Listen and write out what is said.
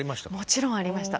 もちろんありました。